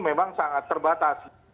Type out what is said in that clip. memang sangat terbatas